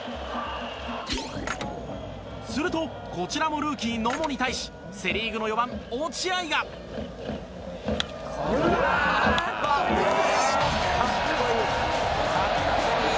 すると、こちらもルーキー、野茂に対しセ・リーグの４番、落合が浅尾：格好いい。